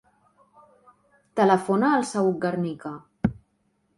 Telefona al Saüc Garnica.